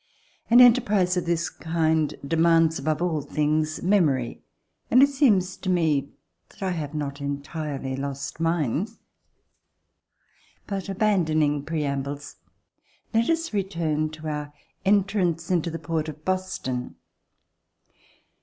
An enterprise of this kind demands, above all things, memory, and it seems to me that I have not entirely lost mine. But abandoning preambles, let us return to our entrance into the port of Boston.